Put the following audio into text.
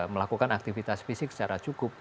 melakukan aktivitas fisik secara cukup